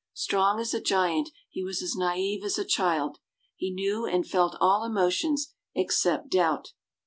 Strong as a giant, he was as naive as a child. He knew and felt all emotions except doubt.